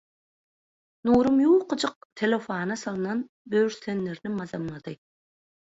Nurum ýukajyk selofana salynan böwürslenlerini mazamlady.